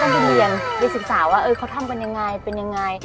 มีศึกษาว่าเขานี่ทำเป็นยังไง